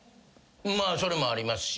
まあそれもありますし。